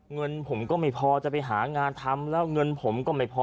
เงินผมก็ไม่พอจะไปหางานทำแล้วเงินผมก็ไม่พอ